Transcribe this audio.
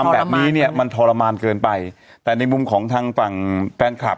แบบนี้เนี่ยมันทรมานเกินไปแต่ในมุมของทางฝั่งแฟนคลับ